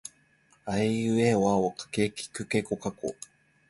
あえいうえおあおかけきくけこかこ